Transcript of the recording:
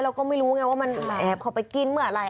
เราก็ไม่รู้ไงว่ามันแอบเข้าไปกินเมื่อไหร่